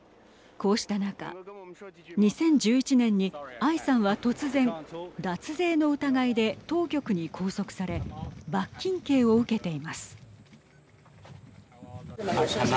こうした中２０１１年にアイさんは突然脱税の疑いで当局に拘束され罰金刑を受けています。